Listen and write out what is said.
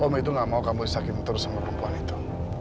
om itu tidak mau kamu lagi menurut sama perempuan itu